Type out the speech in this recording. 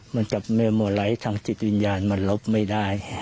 มันกับเมลโมไลท์ทางจิตวิญญาณมันลบไม่ได้